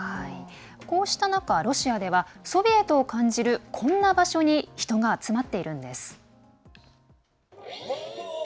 こうした中、ロシアではソビエトを感じるこんな場所に人が集まっているんです。